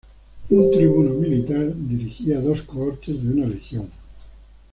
Un tribuno militar dirigía dos cohortes de una legión.